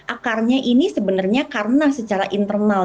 akarnya ini sebenarnya karena secara internal